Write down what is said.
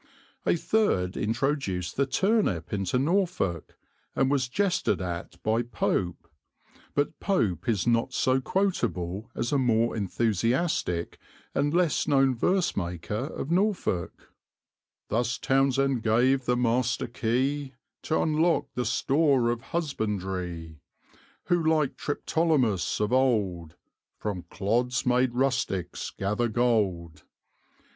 A third introduced the turnip into Norfolk and was jested at by Pope; but Pope is not so quotable as a more enthusiastic and less known verse maker of Norfolk: Thus Townshend gave the Master Key T' unlock the store of Husbandry; Who, like Triptolemus of old, From clods made rustics gather gold.